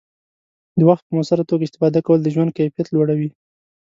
د وخت په مؤثره توګه استفاده کول د ژوند کیفیت لوړوي.